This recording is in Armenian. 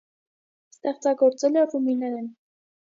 Ստեղծագործել է ռումիներեն։